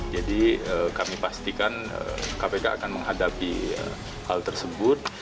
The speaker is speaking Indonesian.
jadi kami pastikan kpk akan menghadapi hal tersebut